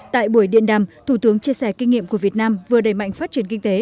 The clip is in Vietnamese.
tại buổi điện đàm thủ tướng chia sẻ kinh nghiệm của việt nam vừa đầy mạnh phát triển kinh tế